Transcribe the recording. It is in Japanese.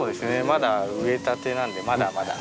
まだ植えたてなのでまだまだ。